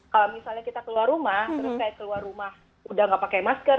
kalau misalnya kita keluar rumah terus kayak keluar rumah udah nggak pakai masker